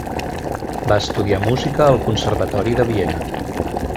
Va estudiar música al Conservatori de Viena.